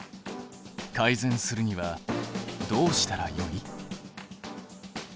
改善するにはどうしたらよい？